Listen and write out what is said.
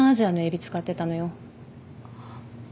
あっ。